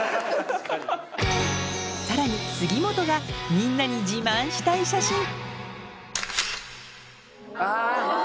さらに杉本がみんなに自慢したい写真あ！